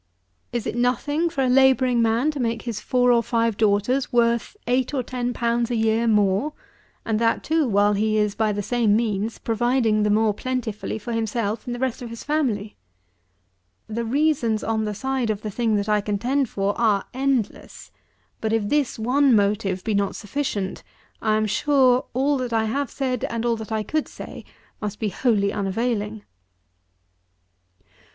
Is it nothing for a labouring man to make his four or five daughters worth eight or ten pounds a year more; and that too while he is by the same means providing the more plentifully for himself and the rest of his family? The reasons on the side of the thing that I contend for are endless; but if this one motive be not sufficient, I am sure, all that I have said, and all that I could say, must be wholly unavailing.